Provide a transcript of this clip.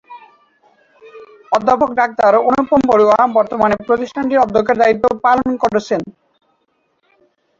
অধ্যাপক ডাক্তার অনুপম বড়ুয়া বর্তমানে প্রতিষ্ঠানটির অধ্যক্ষের দায়িত্ব পালন করছেন।